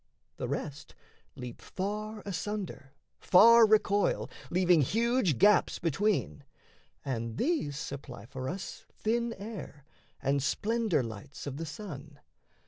The rest leap far asunder, far recoil, Leaving huge gaps between: and these supply For us thin air and splendour lights of the sun.